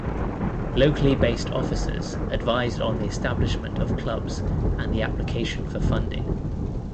Locally based officers advised on the establishment of clubs and the application for funding.